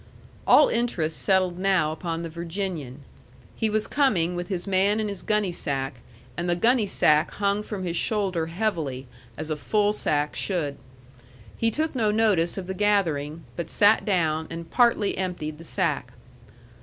All interest settled now upon the Virginian. He was coming with his man and his gunny sack, and the gunny sack hung from his shoulder heavily, as a full sack should. He took no notice of the gathering, but sat down and partly emptied the sack.